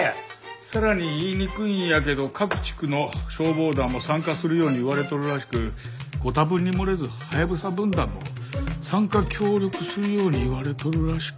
さらに言いにくいんやけど各地区の消防団も参加するように言われとるらしくご多分に漏れずハヤブサ分団も参加協力するように言われとるらしく。